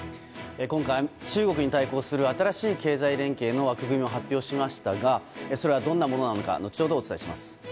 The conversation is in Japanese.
今回、中国に対抗する新しい経済連携の枠組みも発表しましたがそれは、どんなものなのか後ほどお伝えします。